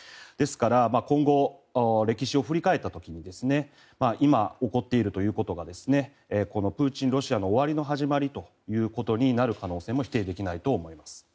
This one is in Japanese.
ですから今後歴史を振り返った時に今、起こっているということがプーチン、ロシアの終わりの始まりということになる可能性も否定できないと思います。